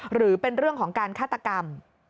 หรือเป็นเรื่องของการฆาตกรรม